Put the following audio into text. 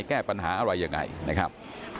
ป้องกันแบบไหนแก้ปัญหาอะไรอย่างไร